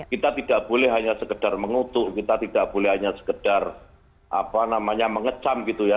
kita tidak boleh hanya sekedar mengutuk kita tidak boleh hanya sekedar mengecam gitu ya